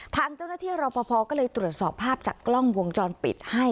ทางเจ้าหน้าที่รอปภก็เลยตรวจสอบภาพจากกล้องวงจรปิดให้